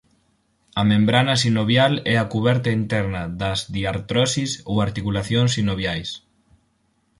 A membrana sinovial é a cuberta interna das diartrosis ou articulacións sinoviais.